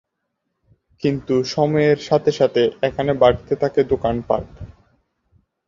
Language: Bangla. কিন্তু সময়ের সাথে সাথে এখানে বাড়তে থাকে দোকানপাট।